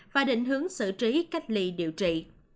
và định hướng xử trí cách ly điều trị